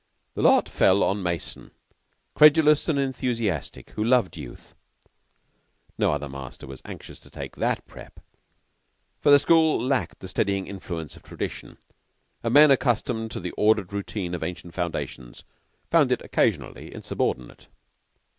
The lot fell on Mason, credulous and enthusiastic, who loved youth. No other master was anxious to take that "prep.," for the school lacked the steadying influence of tradition; and men accustomed to the ordered routine of ancient foundations found it occasionally insubordinate.